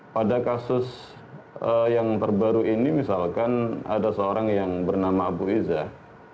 pada kasus yang terbaru ini misalkan ada seorang yang bernama abu izah